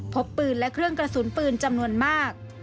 พบปืนและเครื่องกระสุนปืนจำนวนมาก